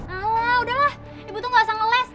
alah udahlah ibu tuh gak usah ngeles